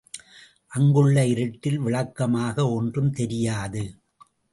அங்குள்ள இருட்டில் விளக்கமாக ஒன்றும் தெரியாது.